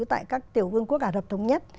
tại các tiểu vương quốc ả rập thống nhất